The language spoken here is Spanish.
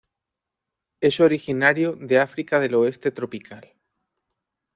Es originario de África del oeste tropical.